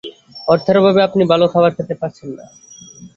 অর্থের অভাবে আপনি ভালো খাবার খেতে পারছেন না।